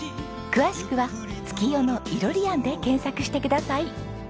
詳しくは「月夜野いろり庵」で検索してください。